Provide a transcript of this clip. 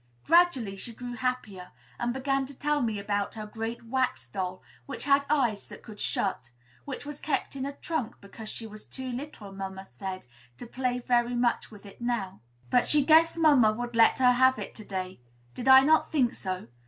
Gradually she grew happier, and began to tell me about her great wax doll, which had eyes that could shut; which was kept in a trunk because she was too little, mamma said, to play very much with it now; but she guessed mamma would let her have it to day; did I not think so?